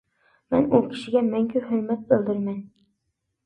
مەن ئۇ كىشىگە مەڭگۈ ھۆرمەت بىلدۈرىمەن.